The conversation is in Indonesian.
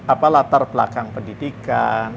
apa latar belakang pendidikan